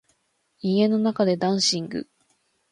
家の中でダンシング